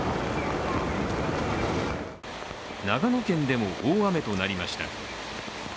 長野県でも大雨となりました。